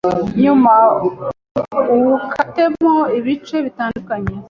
Nyuma uwukatemo ibice bitandukanye